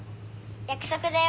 約束だよ。